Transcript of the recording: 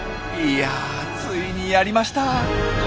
いやついにやりました！